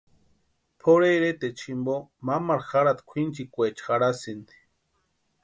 Pʼorhe iretaecha jimpo mamaru jarhati kwʼinchikwaecha jarhasïnti.